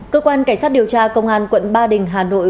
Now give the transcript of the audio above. cơ quan cảnh sát điều tra công an quận ba đình hà nội